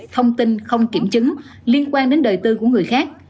thông tin không kiểm chứng liên quan đến đời tư của người khác